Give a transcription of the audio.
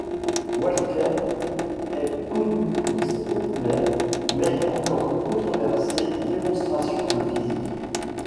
Walker est connu pour ses populaires mais encore controversées démonstrations de physique.